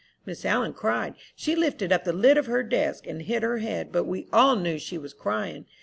"Miss All'n cried. She lifted up the lid of her desk, and hid her head, but we all knew she was crying.